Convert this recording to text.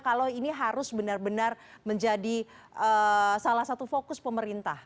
kalau ini harus benar benar menjadi salah satu fokus pemerintah